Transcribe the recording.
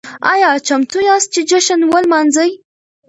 ايا چمتو ياست چې جشن ولمانځئ؟